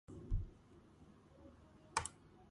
მპა-ს დიაგნოზი ისმევა ფსიქიატრის მიერ კლინიკურ შეფასებაზე.